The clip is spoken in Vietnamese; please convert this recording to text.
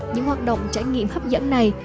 những hoạt động trải nghiệm hấp dẫn này